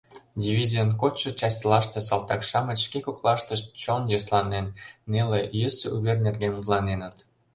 Дивизийын кодшо частьлаште салтак-шамыч шке коклаштышт чон йӧсланен, неле, йӧсӧ увер нерген мутланеныт.